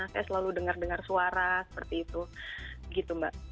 saya selalu dengar dengar suara seperti itu